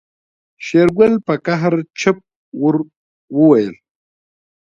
شېرګل په قهر چپ ور وويل.